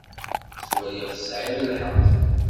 Ttwaliɣ tesɛiḍ lḥeqq.